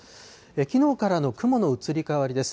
きのうからの雲の移り変わりです。